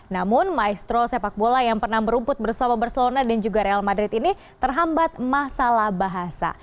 namun maestro sepak bola yang pernah merumput bersama barcelona dan juga real madrid ini terhambat masalah bahasa